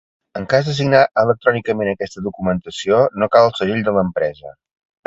En cas de signar electrònicament aquesta documentació no cal el segell de l'empresa.